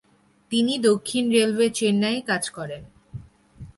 তিনি দক্ষিণ রেলওয়ে চেন্নাইয়ে কাজ করেন।